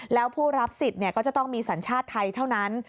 แล้วผู้รับสิทธิ์ก็จะต้องมีสัญชาติไทยเท่านั้น